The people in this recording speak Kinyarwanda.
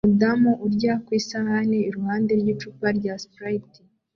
umudamu urya ku isahani iruhande rw'icupa rya Sprite